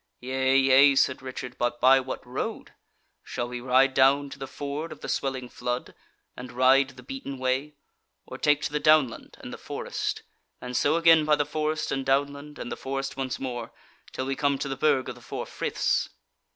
"Yea, yea," said Richard, "but by what road? shall we ride down to the ford of the Swelling Flood, and ride the beaten way, or take to the downland and the forest, and so again by the forest and downland and the forest once more, till we come to the Burg of the Four Friths?"